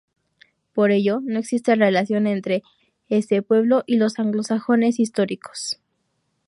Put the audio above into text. Por ello, no existe relación entre este pueblo y los anglosajones históricos.